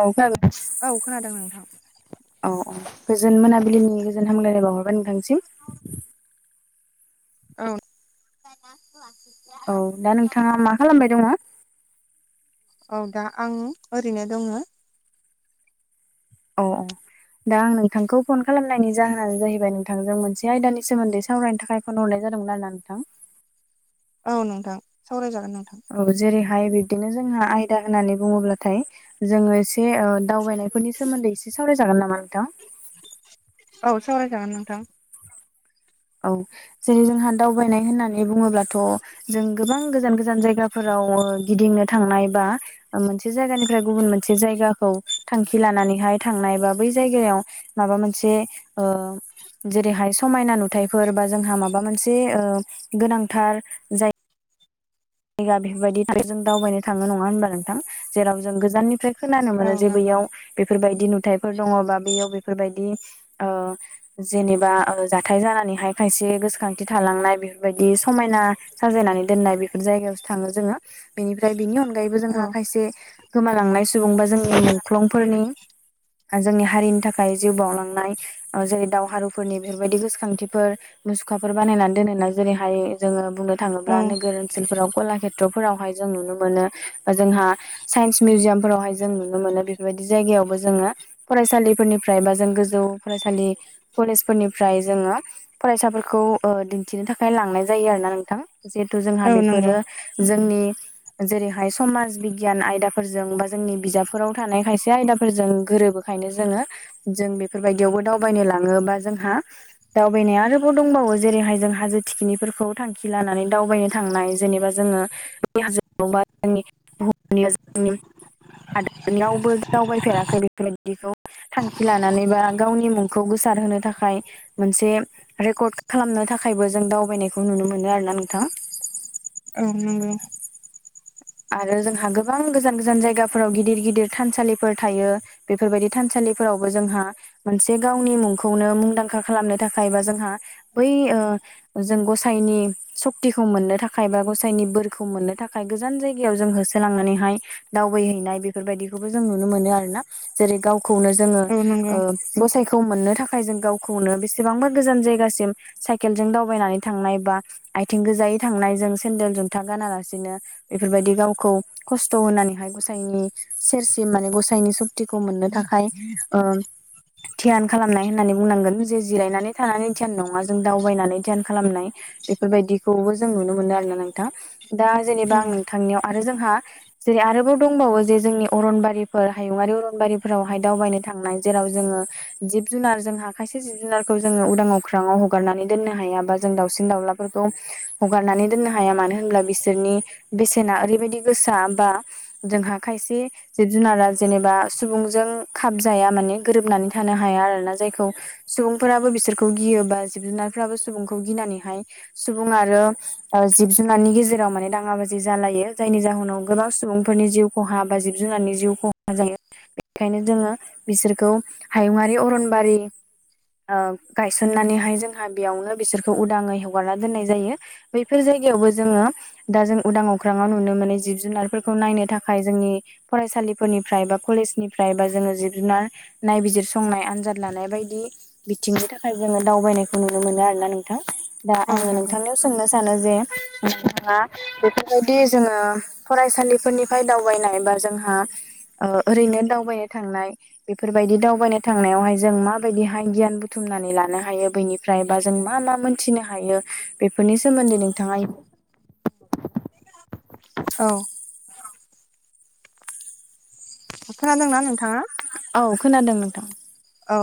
औ जागोन औ खोनादों नोंथां औ औ गोजोन मोनाबिलिनि गोजोन हामलायलाय बावहरबाय नोंथांनिसिम औ औ दा नोंथाङा मा खालामबाय दङ? औ दा आं ओरैनो दङ औ औ दा आं नोंथांखौ फन खालामनायनि जाहोनानो जाहैबाय नोंथांजों मोनसे आयदानि सोमोन्दै सावरायनो थाखाय फन हरनाय जादोंमोन आरोना नोंथां औ नोंथां सावरायजागोन नोंथां औ जेरैहाय बिबदिनो जोंहा आयदा होननानै बुङोब्लाथाय जोङो एसे ओ दावबायनायफोरनि सोमोन्दै एसे सावरायजागोन नामा नोंथां औ सावराय जागोन नोंथां औ जेरै जोंहा दावबायनाय होननानै बुङोब्लाथ' जों गोबां गोजान गोजान जायगाफोराव गिदिंनो थांनाय बा मोनसे जायगानिफ्राय गुबुन मोनसे जायगाखौ थांखि लानानैहाय थांनाय बा बै जायगायाव माबा मोनसे ओ जेरैहाय समायना नुथाय बा जोंहा माबा मोनसे ओ गोनांथार जाय जायगा बेफोरबायदि जों दावबायनो थाङो नङा होनबा नोंथां जेराव जों गोजाननिफ्राय। खोनानो औ मोनो जे नंगौ बैयाव बेफोरबायदि नुथाइफोर दङ बा बैयाव बेफोरबायदि जेनेबा जाथाय जानानैहाय खायसे गोसोखांथि थालांनाय बेफोरबायदि समायना। साजायनानै दोननाय बेफोर जायगायावसो थाङो जोङो बेनिफ्राय बिनि अनगायैबो औ जोंहा खायसे। गोमालांनाय सुबुंबा जोंनि मुंख्लंफोरनि जोंनि हारिनि थाखाय जिउ बावउलांनाय ओ जेरै दावहारुफोरनि बेफोरबायदि गोसोखांथिफोर मुसुखाफोर बानायनानै दोनो ना जेरैहाय जोङो बुंनो औ थाङोब्ला नोगोर बेफोराव कला खेत्र' फोरावहाय जों नुनो मोनो जोंहा साइन्स मिउजियामफोरावहाय जों नुनो मोनो बेफोरबायदि जायगायावबो जोङो फरायसालिफोरनिफ्राय बा जों गोजौ फरायसालि कलेजफोरनिफ्राय जोङो फरायसाफोरखौ दिन्थिनो थाखाय लांनाय जायो आरोना नोंथां। जिहेथु जोंहा औ नंगौ बेफोरो जोंनि। जेरैहाय समाज बिगियान आयदाफोरजों बा जोंनि बिजाबफोराव थानाय खायसे आयदाफोरजों गोरोबो। ओंखायनो जोङो जों बेफोरबायदियावबो दावबायनो लाङोबा जोंहा दावबायनाया आरोबाव दंबावो जेरैहाय जों हाजो थिखिनिफोरखौ थांखि लानानै दावबायनो थांनाय जेनेबा जोङो बै हाजोखौ बा [inaudible] हाजोखौनो रावबो दावबाय फेराखै बेफोर बादिखौ। थांखि लानानै बा गावनि मुंखौ गोसारहोनो थाखाय। मोनसे रेकर्ड खालामनो थाखायबो जों दावबायनायखौ नुनो मोनो आरोना नोंथां। औ नंगौ। आरो जोंहा गोबां गोजान गोजान जायगाफोराव गिदिर गिदिर थानसालिफोर थायो। बेफोरबायदि थानसालिफोरावबो जोंहा मोनसे गावनि मुंखौनो मुंदांखा खालामनो थाखाय बा जोंहा बै जों गसाइनि सक्तिखौ मोननो थाखाय बा गसाइनि बोरखौ मोननो थाखाय गोजान जायगा होसोलांनानैहाय दावबायहैनाय बेफोर बायदिखौबो जों नुनो मोनो आरोना जेरै गाव खौनो जोङो औ नंगौ गसाइखौ मोननो थाखाय जों गावखौनो बेसेबांबा गोजान जायगासिम साइकेलजों दावबायनानै थांनाय बा आथिं गोजायै थांनाय जों सेन्देल जनथा गानालासिनो बेफोरबायदि गावखौ खस्थ' होनानैहाय गसाइनि सेरसि माने गसाइनि सुक्तिखौ मोननो थाखाय ध्यान खालामनाय होननानै बुंनांगोन जे जिरायनानै थानानै ध्यान नङा जों दावबायनानै ध्यान खालामनाय। बेफोर बायदिखौबो जों नुनो मोनो आरोना नोंथां दा जेनेबा आं नोंथांनियाव आरो जोंहा जेरै आरोबाव दंबावो जे जोंनि अरनबारिफोर हायुङारि अरनबारिफोरावहाय दावबायनो थांनाय जेराव जोङो। जिब जुनार जोंहा खायसे जिब जुनारखौ जोङो उदां अख्राङाव हगारनानै दोननो हायाबा जों दावसिन दावला फोरखौ हगारनानै दोननो हाया मानो होनब्ला बिसोरनि बेसेना ओरैबायदि गोसा बा जोंहा खायसे जिब जुनारा जेनेबा सुबुंजों खाब जाया माने गोरोबनानै थानो हाया आरोना जायखौ सुबुंफोराबो बिसोरखौ गियोबा जिब जुनारफोराबो सुबुंखौ गिनानैहाय सुबुं आरो जिब जुनारनि गेजेराव माने दाङाबाजि जालायो जायनि जाहोनाव गोबां सुबुंफोरनि जिउ खहा बा जिब जुनारनि जिउ खहा जायो बेनिखायनो जोङो बिसोरखौ हायुङारि अरनबारि गायसननानैहाय जोंहा बेयावनो बिसोरखौ उदाङै हगारना दोननाय जायो। बैफोर जायगायावबो जोङो दा जों उदां अख्राङाव नुनो मोनो जिब जुनारफोरखौ नायनो थाखाय जोंनि फरायसालिफोरनिफ्राय बा कलेजनिफ्राय बा जोङो जिब जुनार नायबिजिर संनाय आनजाद लानाय बायदि। बिथिंनि थाखाय जोङो दावबायनायखौ नुनो मोनो आरोना नोंथां। दा औ आङो नंगौ नोंथांनियाव सोंनो सानो जे नोंथाङा। बेफोर बायदि जोङो फरायसालिफोरनिफ्राय दावबायनाय बा जोंहा ओरैनो दावबायनो थांनाय बेफोर बायदि दावबायनो थांनायावहाय जों माबायदिहाय गियान बुथुमनानै लानो हायो बैनिफ्राय फ्रायबा जों मा मा मोनथिनो हायो बेफोरनि सोमोन्दै नोंथाङा औ। खोनादोंना नोंथाङा? औ खोनादों नोंथां। औ।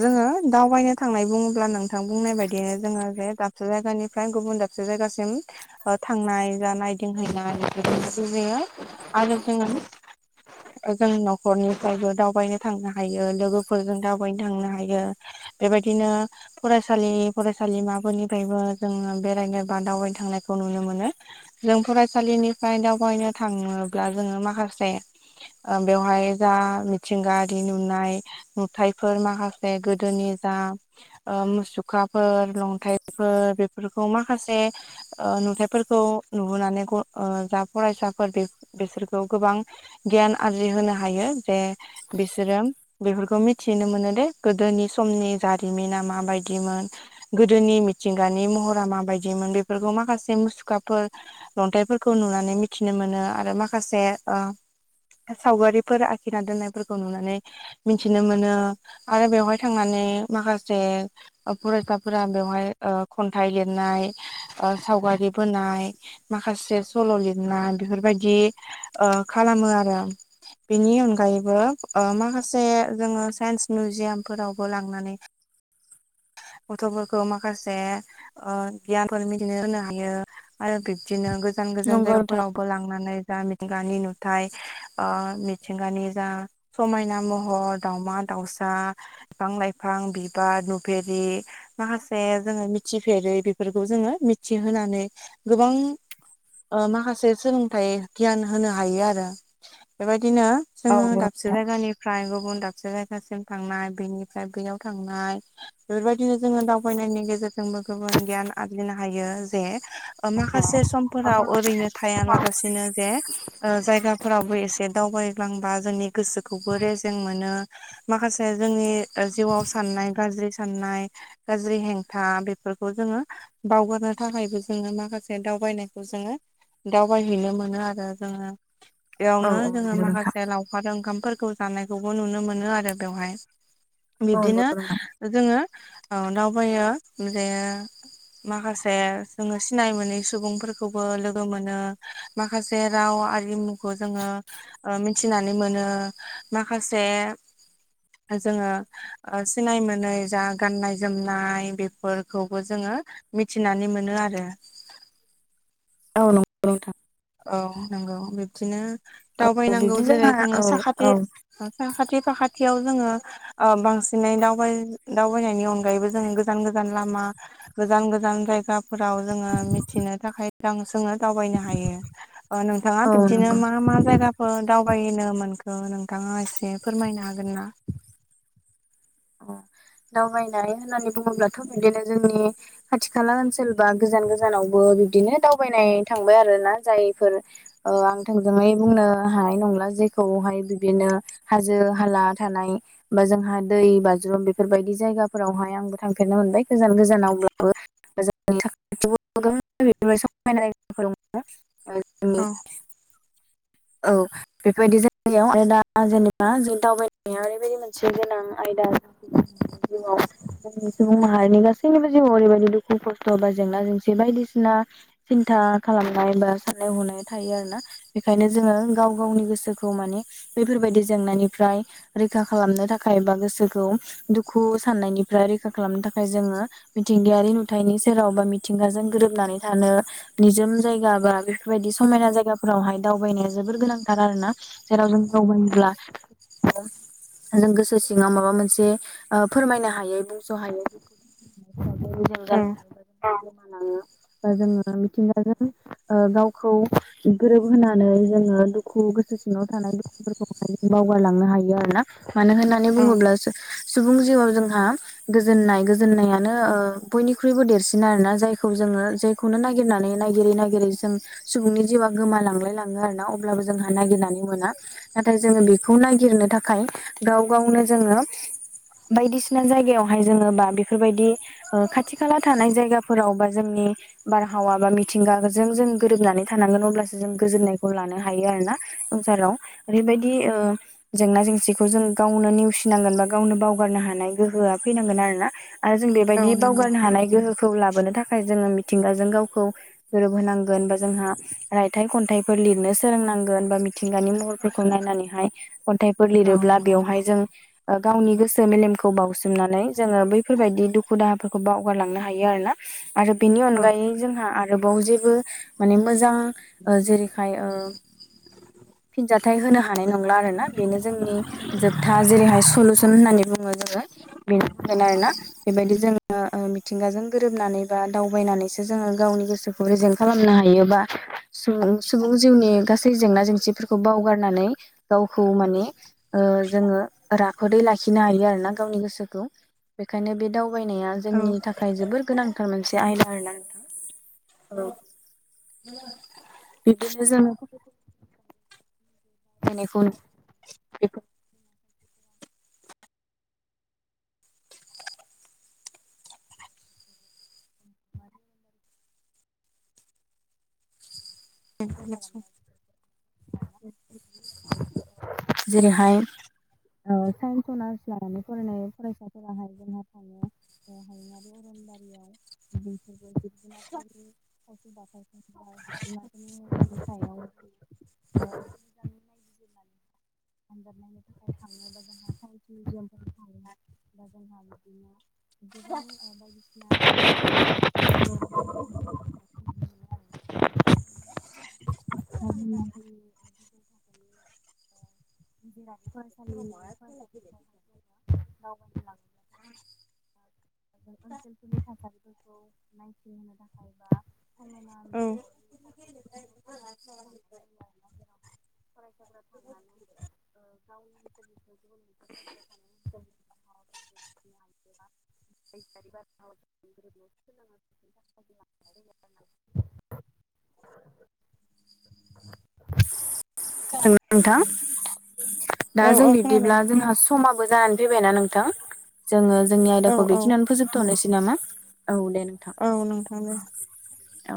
जोङो दावबायनो थांनाय बुङोब्ला नोंथां बुंनाय बायदिनो जोङो जे दाबसे जायगानिफ्राय गुबुन दाबसे जे जायगासिम। थांनाय जानाय दोनहैनाय बेदि जोङो आरो जोङो जों न'खरनिफ्रायबो दावबायनो थांनो हायो लोगोफोर फोरजों दावबायनो थांनो हायो बेबायदिनो फरायसालि फरायसालिमाफोरनिफ्रायबो जोङो बेरायनो बा दावबायनो थांनायखौ नुनो मोनो। जों फरायसालिनिफ्राय दावबायनो थाङोब्ला जोङो माखासे बेवहाय जा मिथिंगायारि नुनाय नुथायफोर माखासे गोदोनि जा मुसुखाफोर लन्थाइफोर बेफोरखौ माखासे नुथायाइफोरखौ नुहोनानै जा फरायसाफोर बेसोरखौ गोबां गियान आरजि होनो हायो जे बिसोरो बेफोर बेखौ मिथिनो मोनो दे गोदोनि समनि जारिमिना माबायदिमोन गोदोनि मिथिंगानि महरा माबायदिमोन बेफोरखौ माखासे मुसुखाफोर अन्थाइफोरखौ नुनानै मिथिनो मोनो आरो माखासे सावगारिफोर आखिना दोननायफोरखौ नुनानै मिथिनो मोनो आरो बेवहाय थांनानै माखासे फरायसाफोरा बेवहाय खन्थाइ लिरनाय सावगारि बोनाय माखासे सल' लिरनाय बेफोरबायदि खालामो आरो बेनि अनगायैबो माखासे जोङो साइन्स मिउजियामफोरावबो लांनानै गथ'फोरखौ माखासे गियानफोर मिथिनो होनो हायो आरो बिबदिनो गोजान गोजान नंगौ नोंथां जायगाफोराव ब लांनानै जा मिथिंगानि नुथाय मिथिंगानि जा समायना महर दाावमा दाउसा बिफां लाइफां बिबार नुफेरि माखासे जोङो मिथिफेरै बेफोरखौ जोङो मिथिहोनानै गोबां माखासे सोलोंथाइ गियान होनो हायो आरो बेबायदिनो औ जोङो दाबसे जायगानिफ्राय गुबुन दाबसे से जायगासिम थांनाय बेनिफ्राय बैयाव थांनाय बेफोरबायदिनो जोङो दावबायनायनि गेजेरजोंबो गुबबां गियान आरजिनो हायो जे माखासे समफोराव ओरैनो थायालाबासिनो एसे जायगाफोरावबो एसे दावबायलांबा जोंनि गोसोखौबो रेजें मोनो माखासे जोंनि जिउआव साननाय गाज्रि साननाय गाज्रि हेंथा बेफोरखौ जोङो बावगारनो थाखायबो जोङो माखासे दावबायनायखौ जोङो दावबायहैनो मोनो आरो जोङो औ बेयावनो औ जोङो नंगौ नोंथां माखासे लाव अखार ओंखामफोरखौ जानायखौबो नुनो मोनो आरो बेवहाय औ बिब्दिनो नंगौ नोंथां जोङो दावबायो जे माखासे जोङो सिनाय मोनै सुबुंफोरखौबो लोगो मोनो माखासे राव आरिमुखौ जोङो मिथिनानै मोनो माखासे जोङो सिनाय मोनै जा गाननाय जोमनाय बेफोरखौबो जोङो मिथिनानै मोनो आरो औ नंगौ नोंथां औ नंगौ बिब्दिनो औ दावबायनांगौ बिब्दि जेरै जोंहा जोङो साखाथि साखाथि फाखाथियाव जोङो ओ बांसिनै दावबाय दावबायनायनि अनग अनगायैबो जों गोजान गोजान लामा गोजान गोजान जायगाफोराव जोङो मिथिनो थाखाय रां सोनो दावबायनो हायो नोंथाङा औ बिबदिनो नंगौ मा मा जायगा ओ दावबायनो मोनखो नोंथाङा एसे फोरमायनो हागोन ना दावबायनाय होननानै बुङोब्लाथ' बिदिनो जोंनि खाथि खाला ओनसोलबा गोजान गोजानावबो बिदिनो दावबायनाय थांबाय आरो ना जायफोर ओ आं थोंजोङै बुंनो हानाय नंला जेखौहाय बिदिनो हाजो हाला थानाय बा जोंहा दै बाज्रुम बेफोरबायदि जायगाफोरावहाय आंबो थांफेरनो मोनबाय गोजान गोजानावब्लाबो जोंनि थाखाय समायनाफोर औ जोंनि [unintelligible] [inaudible] औ बेफोरबायदि जायगायाव आरो दा जेनेबा जों दावबायनाया ओरैबायदि मोनसे गोनां आयदा जाउआव जोंनि सुबुं माहारिनि गासैनिबो जिउआव ओरैबायदि दुखु खस्थ' एबा जेंना जेंसि बायदिसिना सिन्था खालामनाय बा साननाय हनाय थायो आरो ना बेखायनो जोङो गाव गावनि गोसोखौ माने बेफोरबायदि जेंनानिफ्राय रैखा खालामनो थाखाय बा गोसो गोसोखौ दुखु साननायनिफ्राय रैखा खालामनो थाखाय जोङो मिथिंगायारि नुथायाइनि सेराव बा मिथिंगाजों गोरोबनानै थानो निजोम जायगा बा बेफोरबायदि समायना जायगाफोरावहाय दावबायनाया जोबोर गोनांथार आरोना जेराव जों रौ मोनब्ला जों गोसो सिङाव माबा मोनसे ओ फोरमायनो हायै बुंस' हायो औ [unintelligible] [unintelligible] बा जोङो मिथिंगाजों ओ गावखौ गोरोबहोनानै जोङो दुखु गोसो सिङाव थानाय दुखुफोरखौ बावगारलांनो हायो आरोना मानो होननानै बुङोब्ला सुबुं जिउआव जोंहा गोजोननाय गोजोननायानो ओ बयनिख्रुइबो देरसिन आरोना जायखौ जोङो जाय खौनो नागिरनानै ननायागिरै ननायागिरै जों सुबुंनि जेआ गोमालांलायलाङो आरो ना अब्लाबो जोंहा नागिरनानै मोना नाथाय जोङो बेखौ नागिरनो थाखाय गाव गावनो जोङो बायदिसिना जायगायावहाय जोङो बा बेफोरबायदि ओ खाथि खाला थानाय जायगाफोराव बा जोंनि बारहावा बा मिथिंगाजों जों गोरोबनानै थानांगोन अब्लासो जों गोजोननायखौ लानो हायो आरो ना ससाराव ओरैबायदि ओ जेंना जेंसिखौ जों गावनो नेवसिनांगोन बा गावनो बावगारनो हानाय गोहोआ फैनांगोन आरो ना आरो जों औ बेबायदि नंगौ बावगारनो हानाय गोहोखौ लाबोनो थाखाय जोङो मिथिंगाजों गावखौ गोरोबहोनांगोन बा जोंहा रायथाइ खन्थाइफोर लिरनो सोलोंनांगोन बा मिथिंगानि महरफोरखौ खौ नायनानैहाय खन्थाइफोर औ लिरोब्ला नंगौ बेवहाय जों गावनि गोसो मेलेमखौ बावसोमनानै जोङो बैफोरबायदि दुखु दाहाफोरखौ बावगारलांनो हायो आर ना आरो बेनि औ अनगायै जोंहा आरोबाव जेबो माने मोजां जेरैखाय फिनजााथाइ होनो हानाय नंला आरो ना बेनो जोंनि जोबथा जेरैहाय सलुसन होननानै बुङो जोङो बेनि थाखायनो आरोना बेबायदि जोङो मिथिंगाजों गोरोबनानै बा दावबायनानैसो जोङो गावनि गोसोखौ रेजें खालामनो हायोबा सुबुं सुबुं जिउनि गासै जेंना जेंसिफोरखौ बावगारनानै गावखौ माने जोङो राफोदै लाखिनो हायो आरोोना गावनि गोसोखौ बेखायनो बे दावबायनाया औ जोंनि थाखाय जोबोर गोनांथार मोनसे आयदा आरोना नोंथां औ द [unintelligible] बिदिनो जों [inaudible] [inaudible] जेरैहाय ओ साइन्स अनार्स लानानै फरायनाय फरायसाफोराहाय [inaudible] [unintelligible] बि आजाबनायनि थाखाय थाङ बा जोंहा साइन्स मिउजियामफोर थाङो बा जोंहा बिदिनो गोबां बायदिसिना बि [unintelligible] ज [unintelligible] [inaudible] [inaudible] समायना औ [inaudible] लांनाय [inaudible] [inaudible] [inaudible] [inaudible] [inaudible] हेल' नोंथां दा औ जों औ खोनादों बिदिब्ला जोंहा समाबो जानानै फैबायनाा नोंथां जोङो जोंनि औ आयदाखौ औ बेखिनियानो। फोजोबथ'नोसै नामा औ दे नोंथां। औ नोंथां दे। औ।